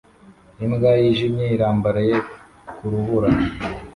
Imbwa yijimye irambaraye ku rubura